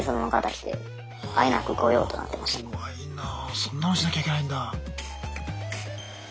そんなのしなきゃいけないんだ。